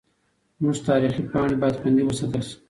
زموږ تاریخي پاڼې باید خوندي وساتل سي.